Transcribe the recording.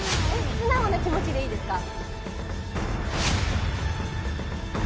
素直な気持ちでいいですか？